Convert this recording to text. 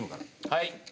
はい。